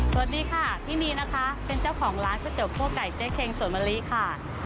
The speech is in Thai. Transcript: สวัสดีค่ะที่นี่นะคะเป็นเจ้าของร้านชะเจ๋วพวกไก่เจ๊เค็งสวนบรรลีค่ะ